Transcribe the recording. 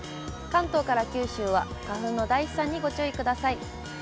関東から九州は花粉の大飛散にご注意ください。